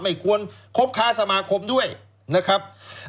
ไม่ควรคบค้าสมาคมด้วยนะครับ